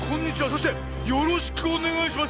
そしてよろしくおねがいします。